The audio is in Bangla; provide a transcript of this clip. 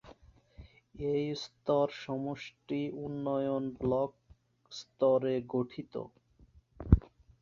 এই স্তর সমষ্টি উন্নয়ন ব্লক স্তরে গঠিত।